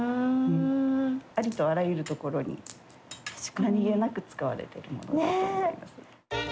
ありとあらゆるところに何気なく使われているものだと思います。